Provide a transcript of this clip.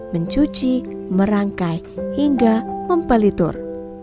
mencuci merangkai hingga mempelitur